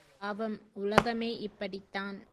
பாவம் உலகமே இப்படித்தான்.